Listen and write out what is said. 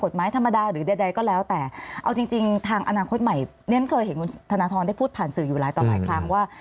ธรรมดาหรือใดก็แล้วแต่เอาจริงจริงทางอนาคตใหม่เรียนเคยเห็นคุณธนทรได้พูดผ่านสื่ออยู่หลายต่อหลายครั้งว่า